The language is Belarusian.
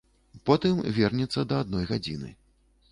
Потым вернецца да адной гадзіны.